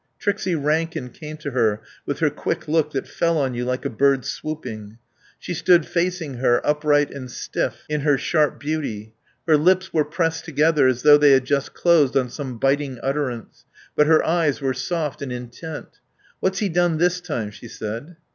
Trixie Rankin came to her, with her quick look that fell on you like a bird swooping. She stood facing her, upright and stiff in her sharp beauty; her lips were pressed together as though they had just closed on some biting utterance; but her eyes were soft and intent. "What's he done this time?" she said.